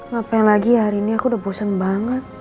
ngapain lagi ya hari ini aku udah bosan banget